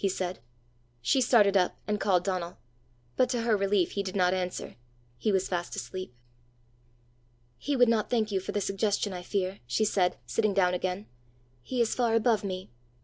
he said. She started up, and called Donal. But to her relief he did not answer: he was fast asleep. "He would not thank you for the suggestion, I fear," she said, sitting down again. "He is far above me!"